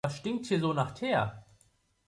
Was stinkt hier so nach Teer?